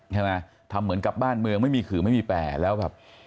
ทำเหมือนกับบ้านเมืองไม่มีขื่อไม่มีแปรแล้วแบบ